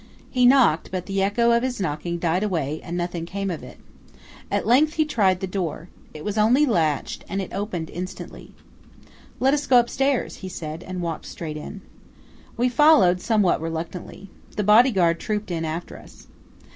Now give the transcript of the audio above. He knocked; but the echo of his knocking died away and nothing came of it. At length he tried the door. It was only latched, and it opened instantly. "Let us go upstairs," he said, and walked straight in. We followed, somewhat reluctantly. The body guard trooped in after us.